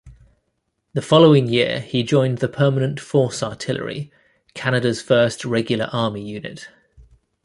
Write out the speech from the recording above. The following year he joined the Permanent Force artillery, Canada's first regular army unit.